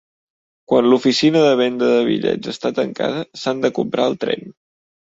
Quan l'oficina de venda de bitllets està tancada, s'han de comprar al tren.